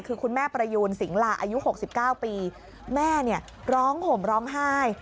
คือคุณแม่ประยูนสิงลาอายุ๖๙ปีแม่เนี่ยร้องห่มร้องไห้